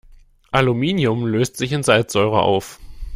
Aluminium löst sich in Salzsäure auf.